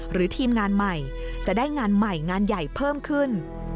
ทีมงานใหม่จะได้งานใหม่งานใหญ่เพิ่มขึ้น